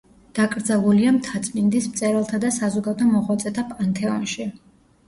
დაკრძალულია მთაწმინდის მწერალთა და საზოგადო მოღვაწეთა პანთეონში.